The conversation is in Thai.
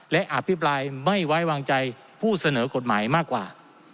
และอภิปรายไม่ไว้วางใจผู้เสนอกฎหมายมากกว่า